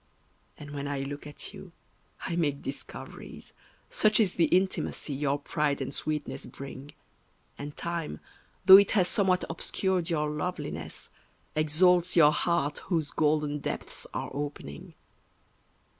And when I look at you I make discoveries, Such is the intimacy your pride and sweetness bring; And time, though it has somewhat obscured your loveliness, Exalts your heart whose golden depths are opening.